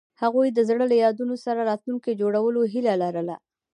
هغوی د زړه له یادونو سره راتلونکی جوړولو هیله لرله.